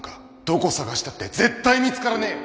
どこ探したって絶対見つからねえよ